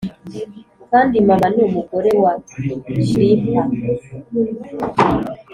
kandi mama ni umugore wa shrimper.